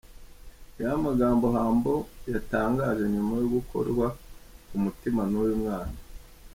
Ngaya amagambo Humble yatangaje nyuma yo gukorwa ku mutima n'uyu mwana.